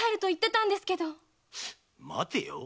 待てよ。